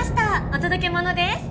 お届け物です。